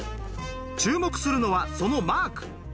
注目するのはそのマーク。